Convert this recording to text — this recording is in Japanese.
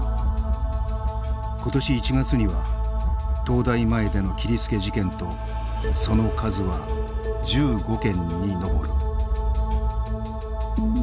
今年１月には東大前での切りつけ事件とその数は１５件に上る。